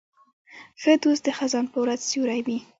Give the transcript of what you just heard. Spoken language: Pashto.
ښه دوست د خزان په ورځ سیوری وي.